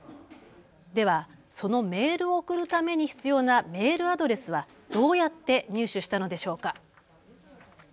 ではそのメールを送るために必要なメールアドレスはどうやって入手したのでしょうか。